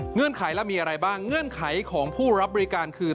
ไขแล้วมีอะไรบ้างเงื่อนไขของผู้รับบริการคือ